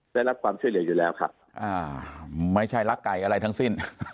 ได้รับความช่วยเหลืออยู่แล้วครับไม่ใช่รักไก่อะไรทั้งสิ้น